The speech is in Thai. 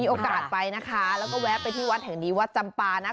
โอกาสไปนะคะแล้วก็แวะไปที่วัดแห่งนี้วัดจำปานะ